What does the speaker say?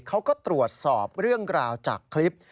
เขาก็ตรวจสอบเรื่องราวจากคลิป